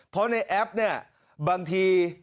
เพราะในแอปบางที